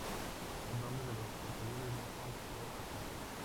Los nombres de los batallones no son por azar.